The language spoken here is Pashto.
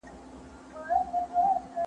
ملا امامان د روغتیا په پوهاوي کي څه ونډه لري؟